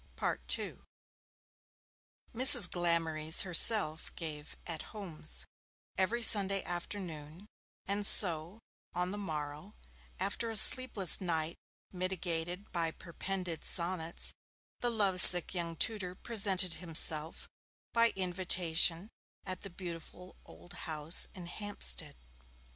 II Mrs. Glamorys herself gave 'At Homes', every Sunday afternoon, and so, on the morrow, after a sleepless night mitigated by perpended sonnets, the love sick young tutor presented himself by invitation at the beautiful old house in Hampstead.